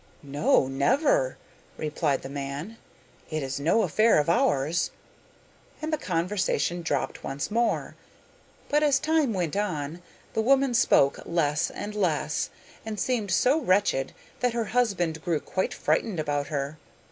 'No, never,' replied the man. 'It is no affair of ours,' and the conversation dropped once more, but as time went on, the woman spoke less and less, and seemed so wretched that her husband grew quite frightened about her.